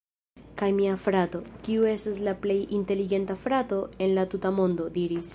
Kaj mia frato, kiu estas la plej inteligenta frato en la tuta mondo... diris: